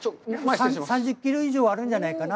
３０キロ以上はあるんじゃないかな？